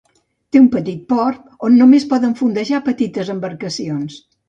Té un petit port on només poden fondejar petites embarcacions.